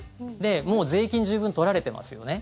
もう税金十分取られていますよね。